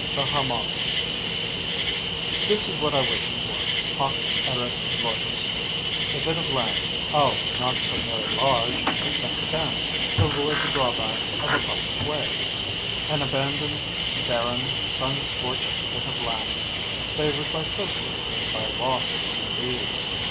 THE HARMAS This is what I wished for, hoc erat in votis: a bit of land, oh, not so very large, but fenced in, to avoid the drawbacks of a public way; an abandoned, barren, sun scorched bit of land, favored by thistles and by wasps and bees.